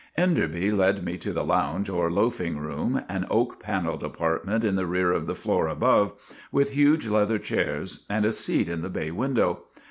Enderby led me to the lounge or loafing room, an oak paneled apartment in the rear of the floor above, with huge leather chairs and a seat in the bay window.